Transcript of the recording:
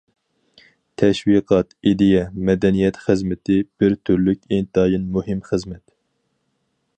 تەشۋىقات، ئىدىيە، مەدەنىيەت خىزمىتى بىر تۈرلۈك ئىنتايىن مۇھىم خىزمەت.